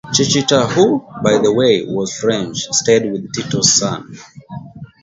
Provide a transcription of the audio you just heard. Chichita, who, by the way, was French, stayed with Tito's son.